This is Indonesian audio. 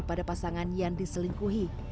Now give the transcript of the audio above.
pada pasangan yang diselingkuhi